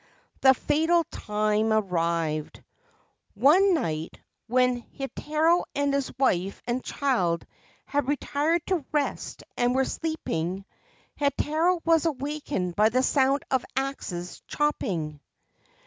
The fatal time arrived. One night, when Heitaro and his wife and child had retired to rest and were sleeping, Heitaro was awakened by the sound of axes chopping.